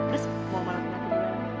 terus mau malah